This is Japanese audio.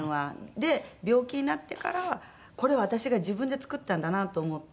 で病気になってからこれは私が自分で作ったんだなと思って気持ちを切り替えて。